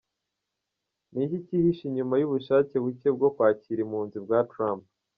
Ni iki cyihishe inyuma y’ubushake buke bwo kwakira impunzi bwa Trump?.